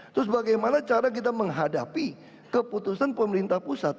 terus bagaimana cara kita menghadapi keputusan pemerintah pusat